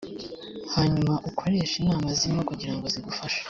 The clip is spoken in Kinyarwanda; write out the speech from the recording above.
hanyuma ukoreshe inama zirimo kugira ngo zigufashe